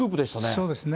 そうですね。